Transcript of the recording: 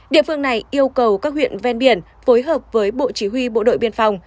địa phương này yêu cầu các huyện ven biển phối hợp với bộ chỉ huy bộ đội biên phòng